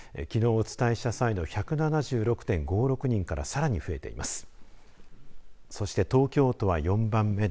きのうお伝えした際の１４３．２３人からさらに増えています。